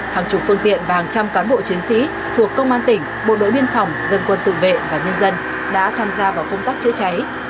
hàng chục phương tiện và hàng trăm cán bộ chiến sĩ thuộc công an tỉnh bộ đội biên phòng dân quân tự vệ và nhân dân đã tham gia vào công tác chữa cháy